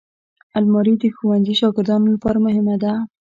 الماري د ښوونځي شاګردانو لپاره مهمه ده